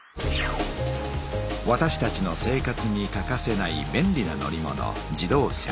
わたしたちの生活に欠かせない便利な乗り物自動車。